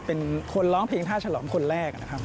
เป็นคนร้องเพลงท่าฉลอมคนแรกนะครับ